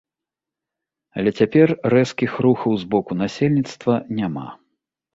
Але цяпер рэзкіх рухаў з боку насельніцтва няма.